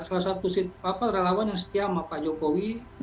salah satu relawan yang setia sama pak jokowi